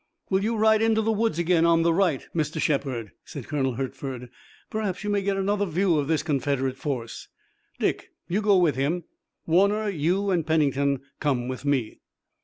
"Will you ride into the woods again on the right, Mr. Shepard?" said Colonel Hertford. "Perhaps you may get another view of this Confederate force. Dick, you go with him. Warner, you and Pennington come with me."